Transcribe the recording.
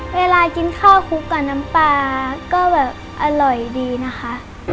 เวลากินข้าวคลุกกับน้ำปลาก็แบบอร่อยดีนะคะ